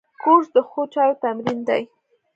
کورس د ښو چارو تمرین دی.